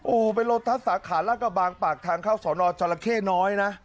โอ้โหเป็นสาขาลากะบางปากทางเข้าสอนออดจรเข้น้อยน่ะ